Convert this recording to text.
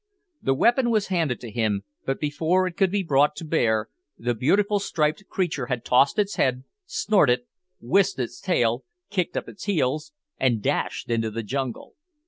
The weapon was handed to him, but before it could be brought to bear, the beautiful striped creature had tossed its head, snorted, whisked its tail, kicked up its heels, and dashed into the jungle.